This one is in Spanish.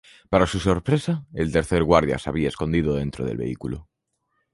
Para su sorpresa, el tercer guardia se había escondido dentro del vehículo.